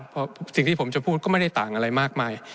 เพราะสิ่งที่ผมจะพูดก็ไม่ได้ต่างอะไรมากมาย